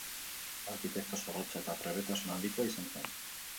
Arkitekto zorrotza eta trebetasun handikoa izan zen.